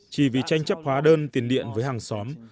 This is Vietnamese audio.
chỉ vì tranh chấp hóa đơn tiền điện với hàng xóm